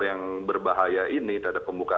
yang berbahaya ini terhadap pembuka